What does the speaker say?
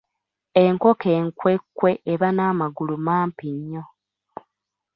Enkoko enkwekwe eba n'amagulu mampi nnyo.